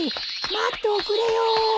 待っておくれよー！